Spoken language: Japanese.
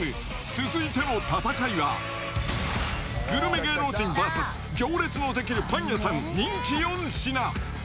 続いての戦いは、グルメ芸能人ＶＳ行列の出来るパン屋さん人気４品。